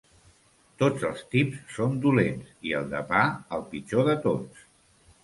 Tots els tips són dolents i, el de pa, el pitjor de tots.